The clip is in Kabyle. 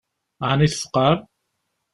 Ɛni tfeqɛem?